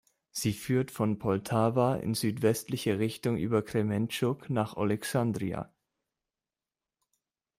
Sie führt von Poltawa in südwestliche Richtung über Krementschuk nach Olexandrija.